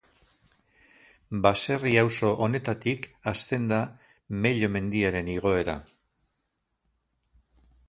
Baserri-auzo honetatik hasten da Mello mendiaren igoera.